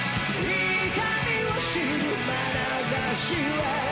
「痛みを知るまなざしは」